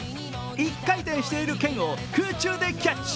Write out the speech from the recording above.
一回転しているけんを空中でキャッチ。